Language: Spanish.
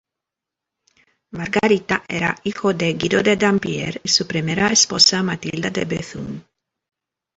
Margarita era hija de Guido de Dampierre y su primera esposa Matilda de Bethune.